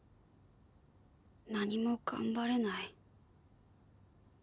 何も頑張れない。